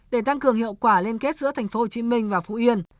để tăng cường hiệu quả liên kết giữa tp hcm và phú yên